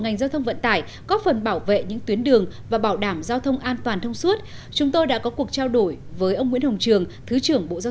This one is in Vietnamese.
ngày giao thông vận tải đã có sự chuẩn bị như thế nào